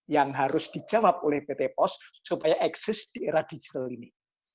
yang harus dijawab oleh pt pos supaya eksis di era digital ini